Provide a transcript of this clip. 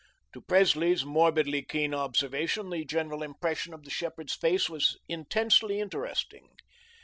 To Presley's morbidly keen observation, the general impression of the shepherd's face was intensely interesting.